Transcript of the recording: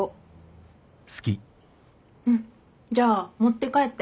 うんじゃあ持って帰って。